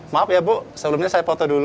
maaf ya bu sebelumnya saya foto dulu